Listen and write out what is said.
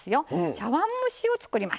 茶碗蒸しを作ります。